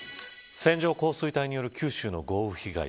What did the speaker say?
線状降水帯による九州の豪雨被害。